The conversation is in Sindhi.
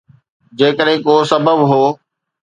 جيڪڏهن ڪو سبب هو.